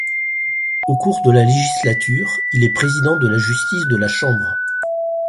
Au cours de la législature, il est président de la justice de la Chambre.